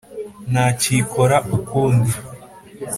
ntacyikora ukundi,